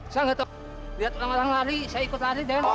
saya gak tau dia terang terang lari saya ikut lari dan